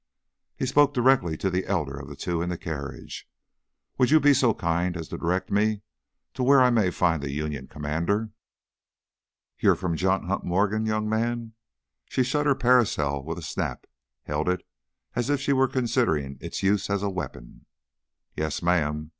He spoke directly to the elder of the two in the carriage. "Would you be so kind as to direct me to where I may find the Union commander?" "You're from John Hunt Morgan, young man?" She shut her parasol with a snap, held it as if she was considering its use as a weapon. "Yes, ma'am.